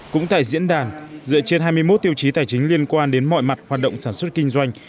cũng tại diễn đàn dựa trên hai mươi một tiêu chí tài chính liên quan đến mọi mặt hoạt động sản xuất kinh doanh